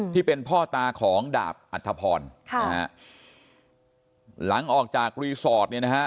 ที่เป็นพ่อตาของดาบอัธพรค่ะนะฮะหลังออกจากรีสอร์ทเนี่ยนะฮะ